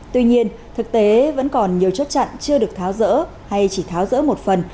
tuy nhiên thực tế vẫn còn nhiều chốt chặn chưa được tháo rỡ hay chỉ tháo rỡ một phần